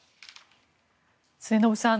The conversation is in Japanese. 末延さん